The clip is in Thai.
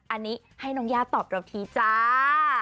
อันนี้ให้น้องย่าตอบเราทีจ้า